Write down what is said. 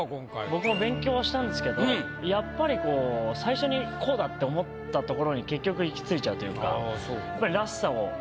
僕も勉強はしたんですけどやっぱりこう最初にこうだ！って思ったところに結局行き着いちゃうというからしさを今回は。